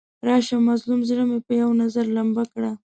راشه مظلوم زړه مې په یو نظر لمبه کړه.